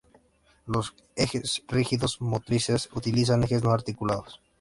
Los ejes rígidos motrices utilizan ejes no articulados.